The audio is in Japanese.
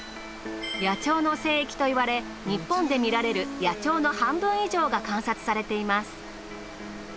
野鳥の聖域といわれ日本で見られる野鳥の半分以上が観察されています。